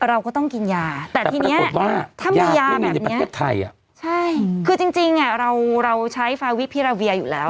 เราก็ต้องกินยาแต่ทีนี้ว่าถ้ามียาแบบนี้ใช่คือจริงเราเราใช้ฟาวิพิราเวียอยู่แล้ว